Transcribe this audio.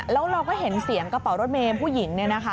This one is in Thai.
แล้วเราก็เห็นเสียงกระเป๋ารถเมย์ผู้หญิง